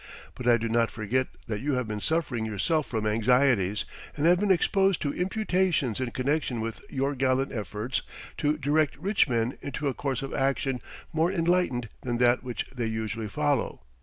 But I do not forget that you have been suffering yourself from anxieties, and have been exposed to imputations in connection with your gallant efforts to direct rich men into a course of action more enlightened than that which they usually follow.